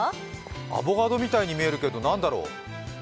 アボガドみたいに見えるけど何だろう？